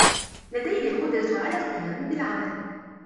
لديه القدرة على القيام بالعمل.